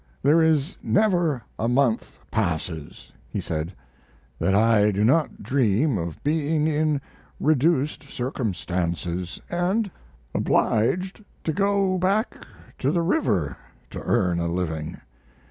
"There is never a month passes," he said, "that I do not dream of being in reduced circumstances, and obliged to go back to the river to earn a living.